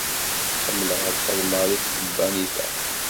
Ḥemmleɣ ad xedmeɣ deg tkebbanit-a.